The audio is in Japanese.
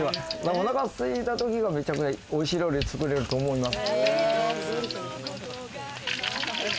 お腹すいたときがめちゃくちゃおいしい料理つくれると思います。